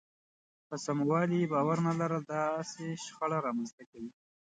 په سموالي يې باور نه لرل داسې شخړه رامنځته کوي.